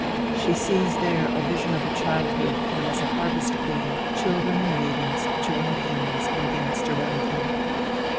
She sees there a vision of her childhood when as a harvest queen children and maidens joined hands and danced around her.